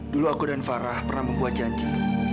dulu aku dan farah pernah membuat janji